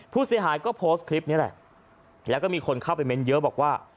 ผู้เสียหายก็โพสต์คลิปนี้แหละแล้วก็มีคนเข้าไปเม้นเยอะบอกว่า